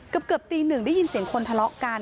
กับเกิดตี๑ได้ยินเสียงคนทะเลาะกัน